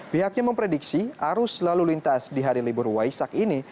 pihaknya memprediksi arus lalu lintas di hari libur waisak ini